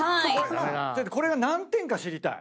これが何点か知りたい